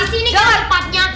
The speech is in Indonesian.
disini kan tempatnya